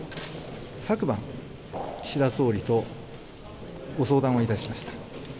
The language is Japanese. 昨晩、岸田総理とご相談をいたしました。